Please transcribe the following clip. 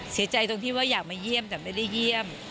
เสียใจตรงที่ว่าอยากมาเยี่ยมแต่ไม่ได้เยี่ยม